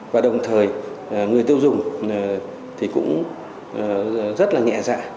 và đồng thời người tiêu dùng thì cũng rất là nhẹ dạ